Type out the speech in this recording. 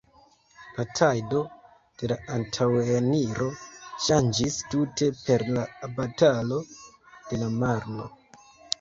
La tajdo de la antaŭeniro ŝanĝis tute per la Batalo de la Marno.